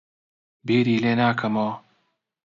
بیری لێ ناکەمەوە.